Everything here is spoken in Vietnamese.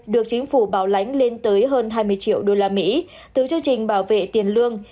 được chính phủ bảo lãnh lên tới hơn hai mươi triệu đô la mỹ từ chương trình bảo vệ tiền lương